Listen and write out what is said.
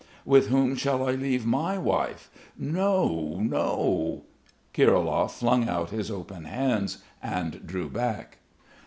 With whom shall I leave my wife? No, no...." Kirilov flung out his open hands and drew back.